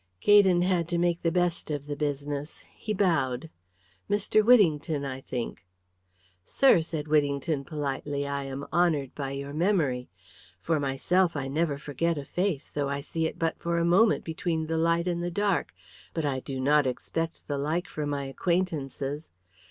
Gaydon had to make the best of the business. He bowed. "Mr. Whittington, I think." "Sir," said Whittington, politely, "I am honoured by your memory. For myself, I never forget a face though I see it but for a moment between the light and the dark, but I do not expect the like from my acquaintances.